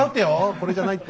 これじゃないって。